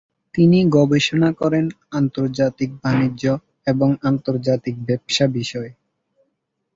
তিনি গবেষণা করেন আন্তর্জাতিক বাণিজ্য এবং আন্তর্জাতিক ব্যবসা বিষয়ে।